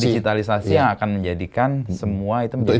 digitalisasi yang akan menjadikan semua itu menjadi